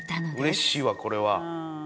うれしいわこれは。